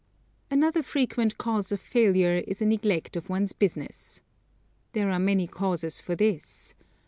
Another frequent cause of failure is a neglect of one's business. There are many causes for this.